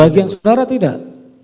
bagian saudara tidak